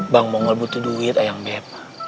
bang mongol butuh duit ayang beb